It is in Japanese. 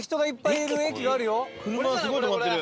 車がすごいとまってる。